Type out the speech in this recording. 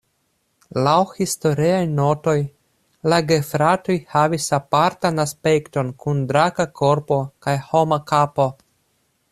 Laŭ historiaj notoj la gefratoj havis apartan aspekton kun draka korpo kaj homa kapo.